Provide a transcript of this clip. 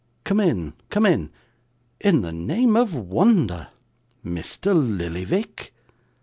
Come in, come in. In the name of wonder! Mr Lillyvick?